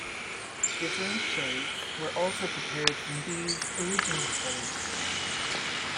Different shades were also prepared from these original colors.